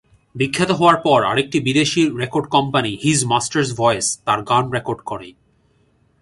বিখ্যাত হওয়ার পর আরেকটি বিদেশি record company ‘his master's voice’ তার গান রেকর্ড করে।